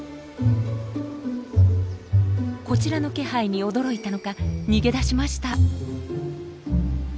こちらの気配に驚いたのか逃げ出しました！